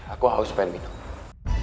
aku harus pengen minum